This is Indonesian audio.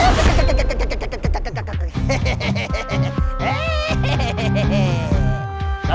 matahari ini berakhir mancing gimana kita